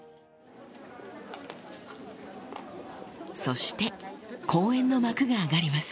そして公演の幕が上がります